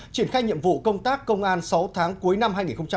triển khai nhiệm vụ công tác công an sáu tháng cuối năm hai nghìn một mươi tám